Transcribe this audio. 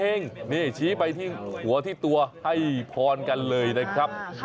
เองนี่ชี้ไปที่หัวที่ตัวให้พรกันเลยนะครับ